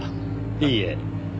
いいえ。